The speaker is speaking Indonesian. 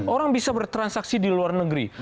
orang bisa bertransaksi di luar negeri